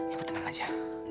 ibu tenang saja